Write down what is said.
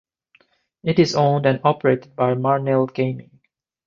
It is owned and operated by Marnell Gaming.